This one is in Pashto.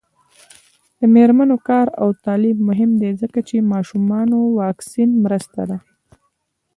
د میرمنو کار او تعلیم مهم دی ځکه چې ماشومانو واکسین مرسته ده.